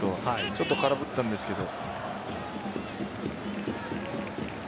ちょっと空振ったんですけど。